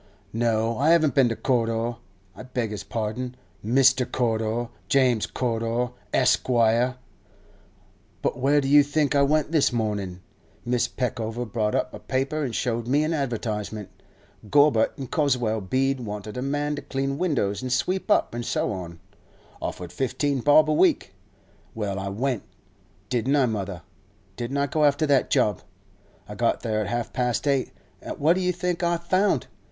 'No, I haven't been to Corder—I beg his pardon; Mister Corder—James Corder, Esquire. But where do you think I went this mornin'? Mrs. Peckover brought up a paper an' showed me an advertisement. Gorbutt in Goswell Bead wanted a man to clean windows an' sweep up, an' so on;—offered fifteen bob a week. Well, I went. Didn't I, mother? Didn't I go after that job? I got there at half past eight; an' what do you think I found?